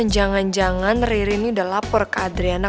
jangan jangan riri ini udah lapor ke adriana